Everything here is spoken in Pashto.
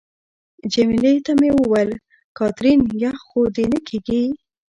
جميله ته مې وویل: کاترین، یخ خو دې نه کېږي؟